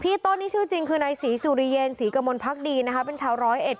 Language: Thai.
พี่ต้นที่ชื่อจริงคือในศรีสุรีีเยนศรีกระมนพรรคดีเป็นชาวร้อยเอ็ด